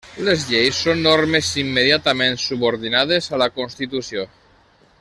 Les lleis són normes immediatament subordinades a la Constitució.